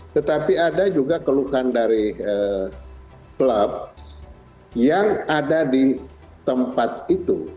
tetapi ada juga keluhan dari klub yang ada di tempat itu